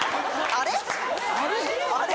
あれ？